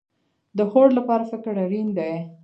د هوډ لپاره فکر اړین دی